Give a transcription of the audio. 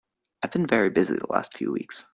I've been very busy the last few weeks.